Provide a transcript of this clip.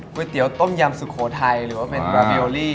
เตี๋ยต้มยำสุโขทัยหรือว่าเป็นโอลี่